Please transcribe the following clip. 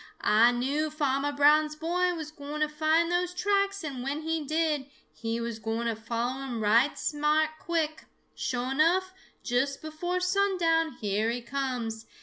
Ah knew Farmer Brown's boy was gwine to find those tracks, and when he did, he was gwine to follow 'em right smart quick. Sho' enough, just before sundown, here he comes.